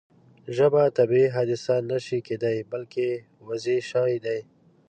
ژبه طبیعي حادثه نه شي کېدای بلکې وضعي شی دی.